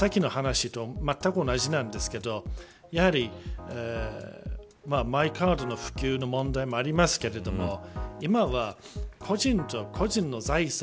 ですから、さっきの話とまったく同じなんですけどやはりマイカードの普及の問題もありますけど今は、個人と個人の財産